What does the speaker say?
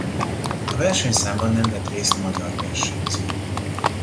A versenyszámban nem vesz részt magyar versenyző.